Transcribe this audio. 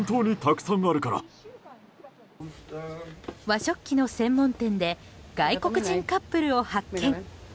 和食器の専門店で外国人カップルを発見。